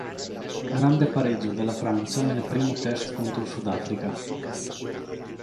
Grande pareggio della Francia nel primo test contro il Sudafrica.